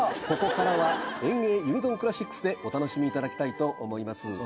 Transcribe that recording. ここからはＥＮＧＥＩユニゾンクラシックスでお楽しみいただきたいと思います。